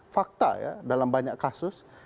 fakta ya dalam banyak kasus